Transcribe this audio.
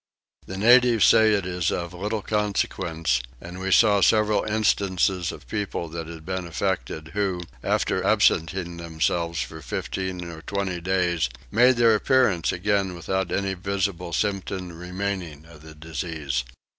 The natives say that it is of little consequence, and we saw several instances of people that had been infected who, after absenting themselves for 15 or 20 days, made their appearance again without any visible symptom remaining of the disease.